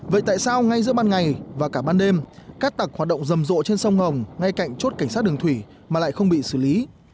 vậy tại sao ngay giữa ban ngày và cả ban đêm các tặc hoạt động rầm rộ trên sông hồng ngay cạnh chốt cảnh sát đường thủy mà lại không bị xử lý